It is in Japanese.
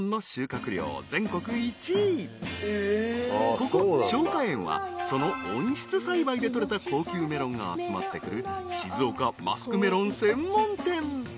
［ここ松香園はその温室栽培で取れた高級メロンが集まってくる静岡マスクメロン専門店］